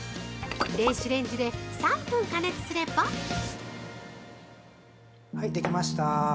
電子レンジで３分加熱すれば◆はい、できました